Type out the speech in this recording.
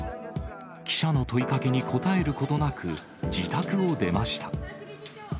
記者の問いかけに答えることなく、自宅を出ました。